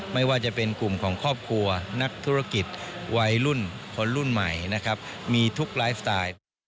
ไม่ว่าจะเป็นกลุ่มของครอบครัวนักธุรกิจวัยรุ่นคนรุ่นใหม่นะครับมีทุกไลฟ์สไตล์